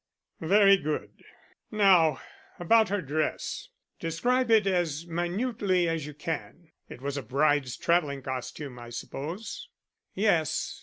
"Very good. Now about her dress. Describe it as minutely as you can. It was a bride's traveling costume, I suppose." "Yes.